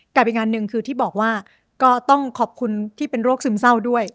อีกงานหนึ่งคือที่บอกว่าก็ต้องขอบคุณที่เป็นโรคซึมเศร้าด้วย